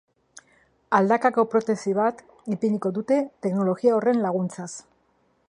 Aldakako protesi bat ipiniko dute teknologia horren laguntzaz.